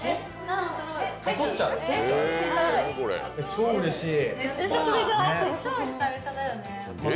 超うれしい。